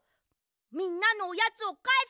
みんなのおやつをかえすんだ！